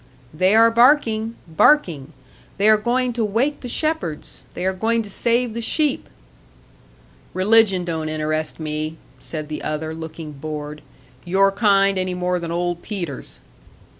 "They are barking, barking! They are going to wake the shepherds! They are going to save the sheep!" "Religion don't interest me," said the other, looking bored; "your kind any more than Old Peter's."